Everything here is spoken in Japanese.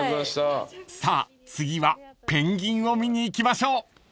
［さあ次はペンギンを見に行きましょう］